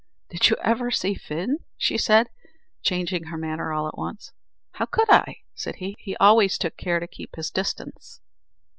"Did you ever see Fin?" said she, changing her manner all at once. "How could I," said he; "he always took care to keep his distance."